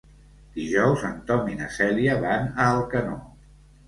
Dijous en Tom i na Cèlia van a Alcanó.